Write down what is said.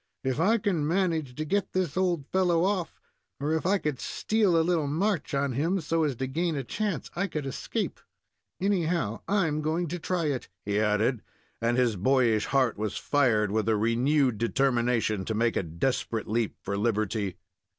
"If I can manage to get this old fellow off, or if I could steal a little march on him, so as to gain a chance, I could escape. Anyhow, I'm going to try it," he added, and his boyish heart was fired with a renewed determination to make a desperate leap for liberty.